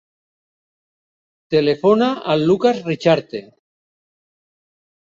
Telefona al Lukas Richarte.